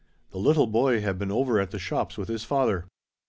The little boy had been over at the shops with his father.